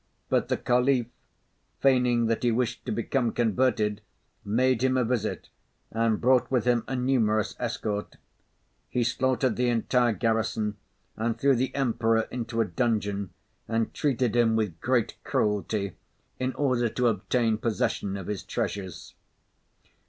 But the Caliph, feigning that he wished to become converted, made him a visit, and brought with him a numerous escort. He slaughtered the entire garrison and threw the Emperor into a dungeon, and treated him with great cruelty in order to obtain possession of his treasures.